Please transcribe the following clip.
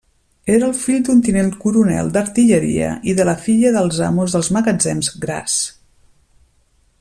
Era fill d'un tinent coronel d'artilleria i de la filla dels amos dels magatzems Gras.